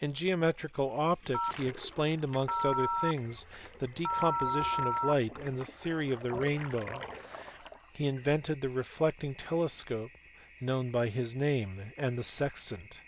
In geometrical optics, he explained amongst other things the decomposition of light and the theory of the rainbow ; he invented the reflecting telescope known by his name, and the sextant.